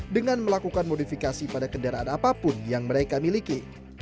dengan melakukan modifikasi pada kendaraan apapun yang mereka miliki